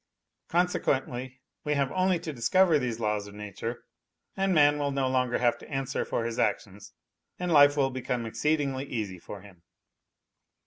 Consequently we have only to discover these laws of nature, and man will no longer have to answer for his actions and life will become exceedingly easy for him.